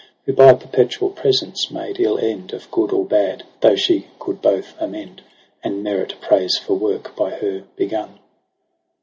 Who by perpetual presence made ill end Of good or bad j though she coud both amend. And merit praise for work by her begun.